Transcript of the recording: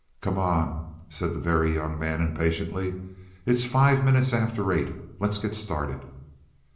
"Come on," said the Very Young Man impatiently. "It's five minutes after eight. Let's get started."